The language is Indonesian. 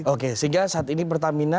oke sehingga saat ini pertamina